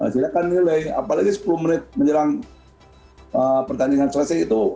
silakan nilai apalagi sepuluh menit menjelang pertandingan tersebut